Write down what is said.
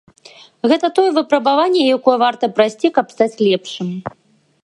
Гэта тое выпрабаванне, якое варта прайсці, каб стаць лепшым.